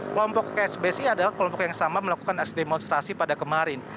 kelompok ksbsi adalah kelompok yang sama melakukan demonstrasi pada kemarin